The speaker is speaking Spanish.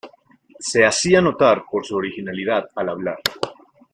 Se hacía notar por su originalidad al hablar.